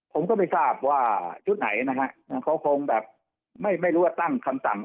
ผมก็ไม่ทราบว่าชุดไหนนะฮะเขาคงแบบไม่รู้ว่าตั้งคำสั่ง